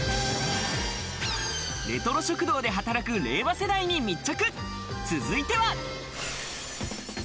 レトロ食堂で働く令和世代に密着。